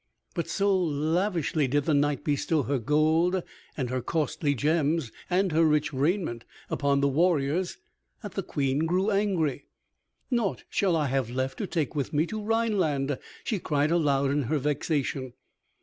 But so lavishly did the knight bestow her gold and her costly gems and her rich raiment upon the warriors that the Queen grew angry. "Naught shall I have left to take with me to Rhineland," she cried aloud in her vexation.